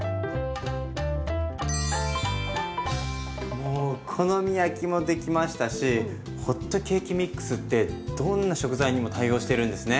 もうお好み焼きもできましたしホットケーキミックスってどんな食材にも対応してるんですね。